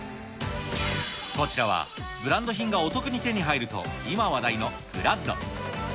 こちらはブランド品がお得に手に入ると今話題のグラッド。